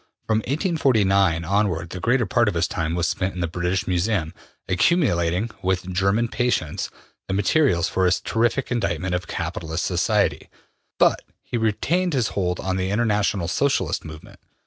From 1849 onward the greater part of his time was spent in the British Museum, accumulating, with German patience, the materials for his terrific indictment of capitalist society, but he retained his hold on the International Socialist movement.